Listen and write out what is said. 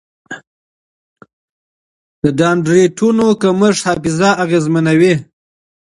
د ډنډرایټونو کمښت حافظه اغېزمنوي.